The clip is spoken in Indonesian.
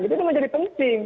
itu menjadi penting